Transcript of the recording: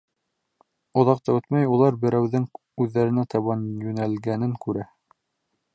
Оҙаҡ та үтмәй улар берәүҙең үҙҙәренә табан йүнәлгәнен күрә.